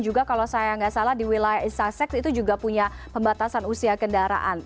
juga kalau saya nggak salah di wilayah sasex itu juga punya pembatasan usia kendaraan